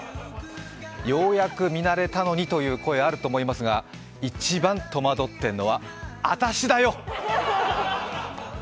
ようやく見慣れたのにという声、あると思いますが一番戸惑っているのは、あたしだよっ！！